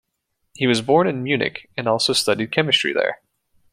He was born in Munich and also studied chemistry there.